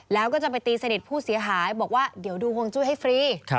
แล้วก็จะไปตีสนิทผู้เสียหายบอกว่าเดี๋ยวดูห่วงจุ้ยให้ฟรี